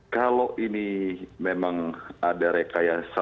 kalau ini memang ada rekayasa